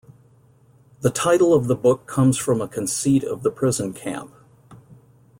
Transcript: The title of the book comes from a conceit of the prison camp.